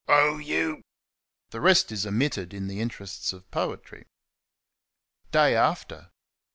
"Oh you !" The rest is omitted in the interests of Poetry. Day after.